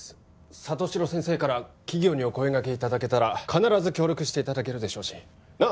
里城先生から企業にお声がけいただけたら必ず協力していただけるでしょうしなっ